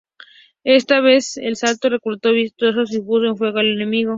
Esta vez el asalto resultó victorioso y puso en fuga al enemigo.